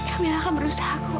kamila akan berusaha kuat